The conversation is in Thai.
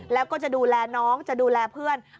แล้วก็จะดูแลน้องจะดูแลเพื่อน